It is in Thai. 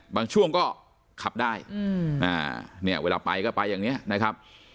บางช่วงก็ขับได้เนี่ยเวลาไปก็ไปอย่างนี้นะครับ